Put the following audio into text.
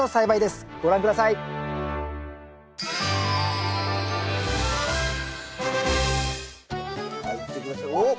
さあいってみましょう。